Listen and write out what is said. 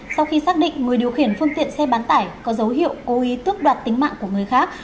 sau khi xác định người điều khiển phương tiện xe bán tải có dấu hiệu cố ý tước đoạt tính mạng của người khác